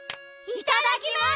いただきます！